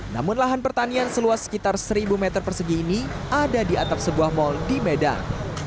namun lahan pertanian seluas sekitar seribu meter persegi ini ada di atap sebuah mal di medan